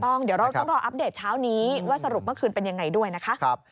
เดี๋ยวเราต้องรออัปเดตเช้านี้ว่าสรุปเมื่อคืนเป็นยังไงด้วยนะคะ